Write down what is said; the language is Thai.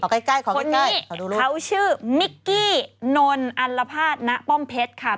ใกล้ของคนนี้เขาชื่อมิกกี้นนอัลลภาษณป้อมเพชรค่ะ